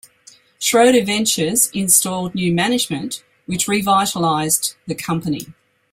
Schroeder Ventures installed new management which revitalized the company.